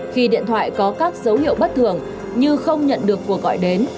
khi điện thoại có các dấu hiệu bất thường như không nhận được cuộc gọi đến